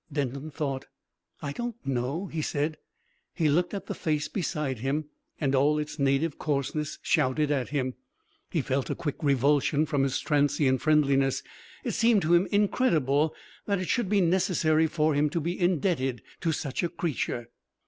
Denton thought. "I don't know," he said. He looked at the face beside him, and all its native coarseness shouted at him. He felt a quick revulsion from his transient friendliness. It seemed to him incredible that it should be necessary for him to be indebted to such a creature.